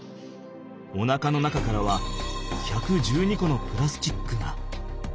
おなかの中からは１１２個のプラスチックが。